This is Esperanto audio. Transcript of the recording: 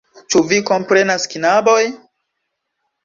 Ĉu vi komprenas, knaboj?